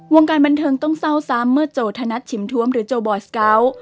วงการบันเทิงต้องเศร้าซ้ำเมื่อโจทนัทชิมทวมหรือโจบอสเกาะ